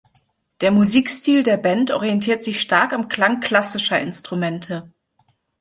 Der Musikstil der Band orientiert sich stark am Klang „klassischer“ Instrumente.